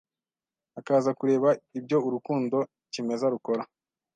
akaza kureba ibyo urukundo kimeza rukora.